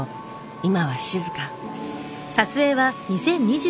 今は静か。